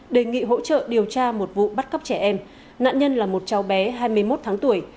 đề nghị hỗ trợ điều tra một vụ bắt cóc trẻ em nạn nhân là một cháu bé hai mươi một tháng tuổi